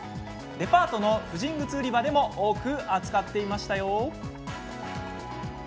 デパートの婦人靴売り場でも多く扱っていましたよ。